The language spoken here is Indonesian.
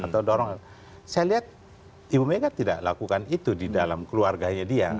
saya lihat ibu mega tidak lakukan itu di dalam keluarganya dia